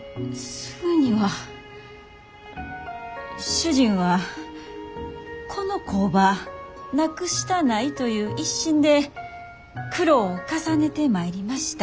主人はこの工場なくしたないという一心で苦労を重ねてまいりました。